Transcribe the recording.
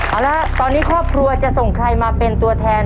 เอาละตอนนี้ครอบครัวจะส่งใครมาเป็นตัวแทน